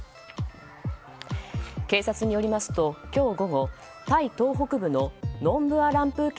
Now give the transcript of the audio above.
警察によりますと、今日午後タイ東北部のノンブアランプー